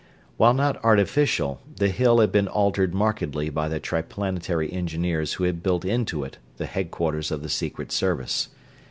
While not artificial, the Hill had been altered markedly by the Triplanetary engineers who had built into it the headquarters of the Secret Service.